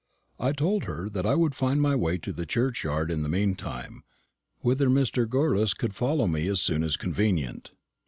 I told her that I would find my way to the churchyard in the mean time, whither Mr. Gorles could follow me as soon as convenient.